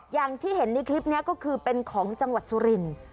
อย่างที่เห็นในคลิปนี้ก็คือเป็นของจังหวัดสุรินทร์